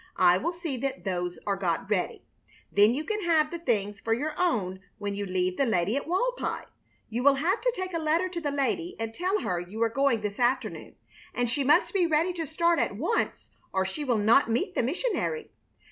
I will see that those are got ready. Then you can have the things for your own when you leave the lady at Walpi. You will have to take a letter to the lady and tell her you are going this afternoon, and she must be ready to start at once or she will not meet the missionary.